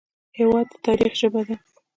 هېواد د تاریخ ژبه ده.